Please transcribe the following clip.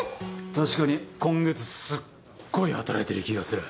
確かに今月すっごい働いてる気がする。